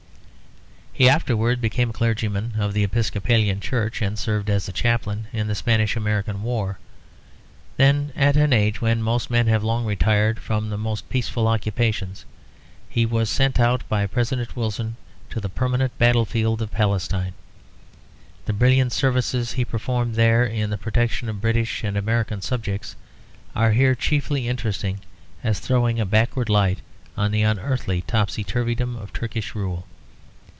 He afterward became a clergyman of the Episcopalian Church, and served as a chaplain in the Spanish American war, then, at an age when most men have long retired from the most peaceful occupations, he was sent out by President Wilson to the permanent battlefield of Palestine. The brilliant services he performed there, in the protection of British and American subjects, are here chiefly interesting as throwing a backward light on the unearthly topsy turvydom of Turkish rule.